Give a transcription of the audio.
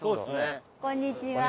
こんにちは。